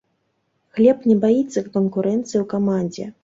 Глеб не баіцца канкурэнцыі ў камандзе.